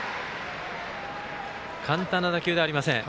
簡単な打球ではありません。